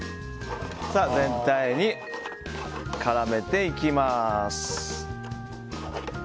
全体に絡めていきます。